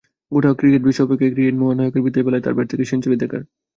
গোটা ক্রিকেটবিশ্ব অপেক্ষায় ক্রিকেট মহানায়কের বিদায় বেলায় তাঁর ব্যাট থেকে সেঞ্চুরি দেখার।